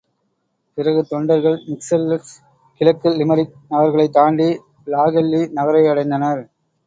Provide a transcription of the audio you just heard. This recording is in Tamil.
பிறகு தொண்டர்கள் மிச்செல்ஸ், கிழக்கு லிமெரிக் நகர்களைத் தாண்டி லாகெல்லி நகரையடைந்தனர்.